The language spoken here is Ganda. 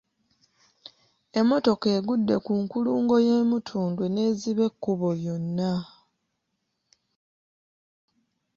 Emmotoka egudde ku nkulungo y'e Mutundwe n'eziba ekkubo lyonna.